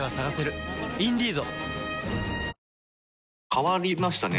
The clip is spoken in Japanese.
変わりましたね。